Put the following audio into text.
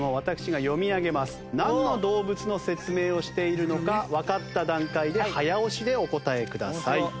なんの動物の説明をしているのかわかった段階で早押しでお答えください。